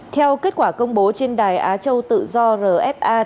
theo kết quả công bố trên đài á châu tự do rfa